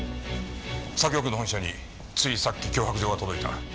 左京区の本社についさっき脅迫状が届いた。